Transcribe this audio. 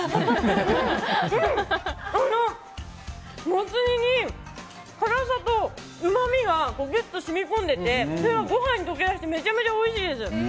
もつ煮に辛さとうまみがギュッと染み込んでいてそれがご飯に溶け出してめちゃめちゃおいしいです。